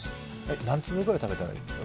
何粒ぐらい食べたらいいですか？